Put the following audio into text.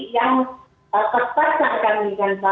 yang terpaksa kami kan pak